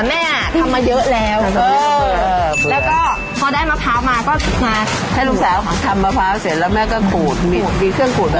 มีเครื่องขู่ดแบบลากอู๋เหมือนหม้ามีมิ